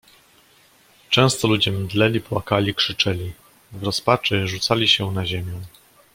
"Często ludzie mdleli, płakali, krzyczeli, w rozpaczy rzucali się na ziemię."